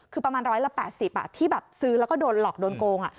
คือประมาณร้อยละแปดสิบอ่ะที่แบบซื้อแล้วก็โดนหลอกโดนโกงอ่ะ